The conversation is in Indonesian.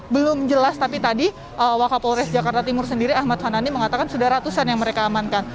belum jelas tapi tadi wakapolres jakarta timur sendiri ahmad fanani mengatakan sudah ratusan yang mereka amankan